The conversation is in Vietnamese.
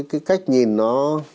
cái cách nhìn nó